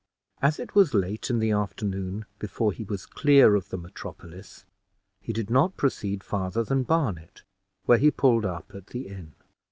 As it was late in the afternoon before he was clear of the metropolis, he did not proceed farther than Barnet, where he pulled up at the inn.